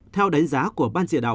theo đánh giá của ban chỉ đạo